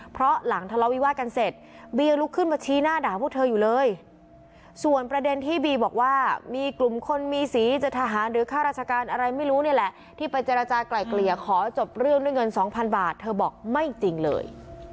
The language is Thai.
เพราะหลังทะเลาวิวาสกันเสร็จบีลุกขึ้นมาชี้หน้าด่าพวกเธออยู่เลยส่วนประเด็นที่บีบอกว่ามีกลุ่มคนมีสีจะทหารหรือค่าราชการอะไรไม่รู้นี่แหละที่ไปเจรจากลายเกลี่ยขอจบเรื่องด้วยเงินสองพันบาทเธอบอกไม่จริงเลย